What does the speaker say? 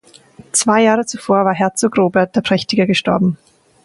Zwei Jahre zuvor war Herzog Robert der Prächtige gestorben.